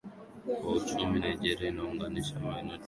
kwa uchumi Nigeria inaunganisha maeneo tofauti sana ikiwa